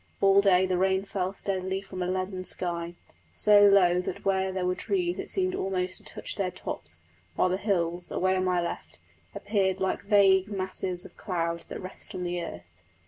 All day the rain fell steadily from a leaden sky, so low that where there were trees it seemed almost to touch their tops, while the hills, away on my left, appeared like vague masses of cloud that rest on the earth.